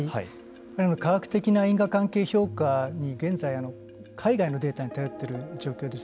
科学的な因果関係評価に現在海外のデータに頼っている状況です。